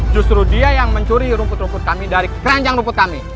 justru dia yang mencuri rumput rumput kami dari keranjang rumput kami